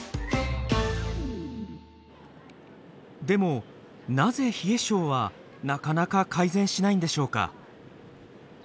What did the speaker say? でもなぜ冷え症はなかなか改善しないんでしょうか？